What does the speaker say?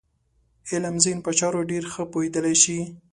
علم ذهن په چارو ډېر ښه پوهېدلی شي.